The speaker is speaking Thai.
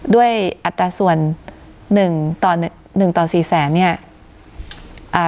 อัตราส่วนหนึ่งต่อหนึ่งต่อสี่แสนเนี้ยอ่า